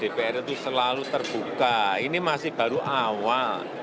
dpr itu selalu terbuka ini masih baru awal